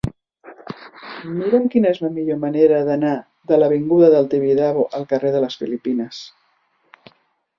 Mira'm quina és la millor manera d'anar de l'avinguda del Tibidabo al carrer de les Filipines.